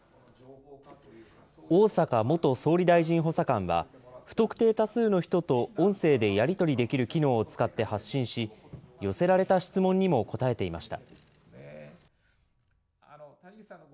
逢坂元総理大臣補佐官は、不特定多数の人と音声でやり取りできる機能を使って発信し、寄せられた質問にも答えていました。